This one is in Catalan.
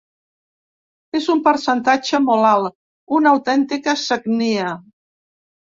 És un percentatge molt alt, una autèntica sagnia.